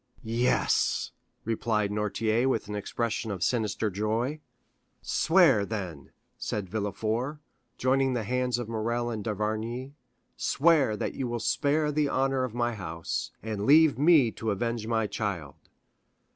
"Yes," replied Noirtier with an expression of sinister joy. "Swear, then," said Villefort, joining the hands of Morrel and d'Avrigny, "swear that you will spare the honor of my house, and leave me to avenge my child."